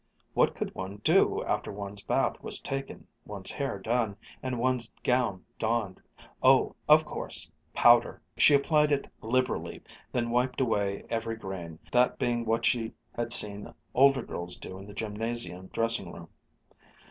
What could one do, after one's bath was taken, one's hair done, and one's gown donned oh, of course, powder! She applied it liberally, and then wiped away every grain, that being what she had seen older girls do in the Gymnasium dressing room.